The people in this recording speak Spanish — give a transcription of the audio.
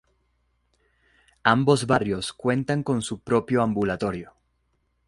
Ambos barrios cuentan con su propio ambulatorio.